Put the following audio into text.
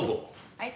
はい？